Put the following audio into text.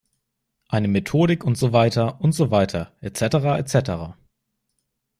Eine Methodik und so weiter und so weiter, et cetera, et cetera.